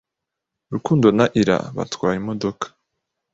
rukundo na Ira batwaye imodoka.